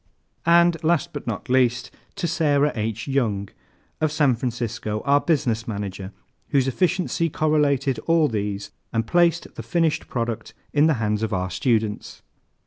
And last but not least, To SARAH H. YOUNG, of San Francisco, our Business Manager, whose efficiency correlated all these and placed the finished product in the hands of our students.